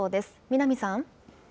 南さん。